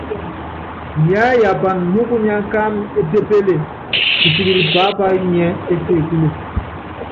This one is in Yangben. Yiáyapan múkunya kámɛ étépeple, kisikilɛ pápayo nyiɛ́ ésekúle.